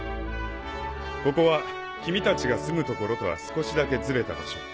ここは君たちが住む所とは少しだけズレた場所。